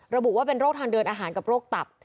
ระบุว่าเป็นโรคทางเดินอาหารกับโรคตับ